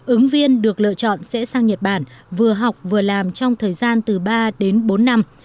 ứng viên được lựa chọn sẽ sang nhật bản vừa học vừa làm trong thời gian từ ba đến bốn năm